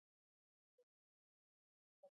کابل د افغانستان د بڼوالۍ برخه ده.